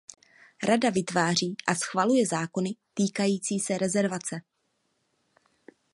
Rada vytváří a schvaluje zákony týkající se rezervace.